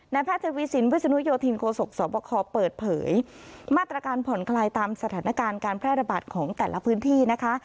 แพทย์ทวีสินวิศนุโยธินโคศกสวบคเปิดเผยมาตรการผ่อนคลายตามสถานการณ์การแพร่ระบาดของแต่ละพื้นที่นะคะ